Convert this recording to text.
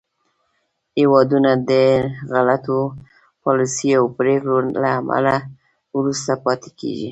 هېوادونه د غلطو پالیسیو او پرېکړو له امله وروسته پاتې کېږي